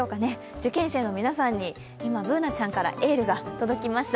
受験生の皆さんに今、Ｂｏｏｎａちゃんからエールが届きました。